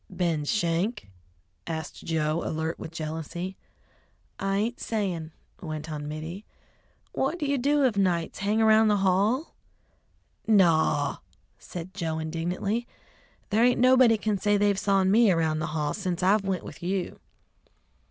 "Ben Schenk?" asked Joe, alert with jealousy. "I ain't sayin'," went on Mittie. "What do you do of nights, hang around the hall?" "Naw," said Joe indignantly. "There ain't nobody can say they've sawn me around the hall sence I've went with you!"